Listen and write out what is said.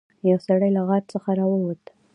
یو سړی له غار څخه راووت.